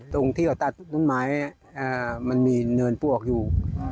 ตรงที่เขาตัดต้นไม้มันมีเนินปลวกอยู่